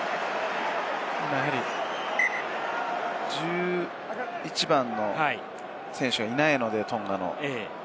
１１番の選手がいないので、トンガの。